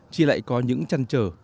chị lại có những trăn trở